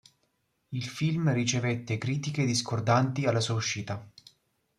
Il film ricevette critiche discordanti alla sua uscita.